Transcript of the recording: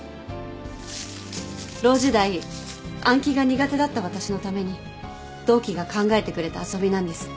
ロー時代暗記が苦手だった私のために同期が考えてくれた遊びなんです。